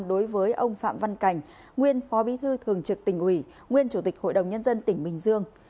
đối với ông phạm văn cảnh nguyên phó bí thư thường trực tỉnh ủy nguyên chủ tịch hội đồng nhân dân tỉnh bình dương